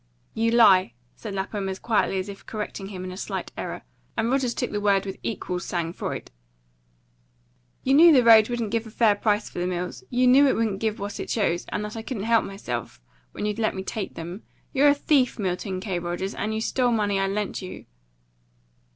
"You lie," said Lapham, as quietly as if correcting him in a slight error; and Rogers took the word with equal sang froid. "You knew the road wouldn't give a fair price for the mills. You knew it would give what it chose, and that I couldn't help myself, when you let me take them. You're a thief, Milton K. Rogers, and you stole money I lent you."